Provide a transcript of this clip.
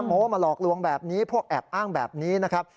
โอ้โหมาหลอกลวงแบบนี้พวกแอบอ้างแบบนี้นะครับ